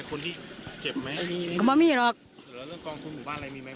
เออกระเว็บสักทุ่งมีอะไรรักให้พวกนะ